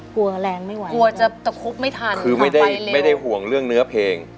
กลัวแรงไม่ไหวกลัวจะคุบไม่ทันคือไม่ได้ห่วงเรื่องเนื้อเพลง